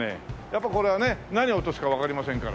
やっぱりこれはね何を落とすかわかりませんからね。